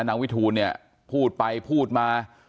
วิทูลเนี่ยพูดไปพูดมา